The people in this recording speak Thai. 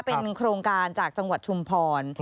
เป็นโครงการจากจังหวัดชุมพร